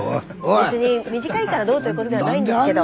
別に短いからどうということではないんですけど。